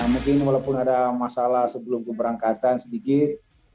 mungkin walaupun ada masalah sebelum keberangkatan sedikit